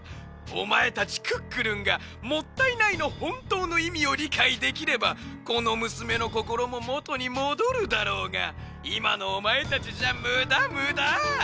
おまえたちクックルンが「もったいない」のほんとうのいみをりかいできればこのむすめのこころももとにもどるだろうがいまのおまえたちじゃむだむだ！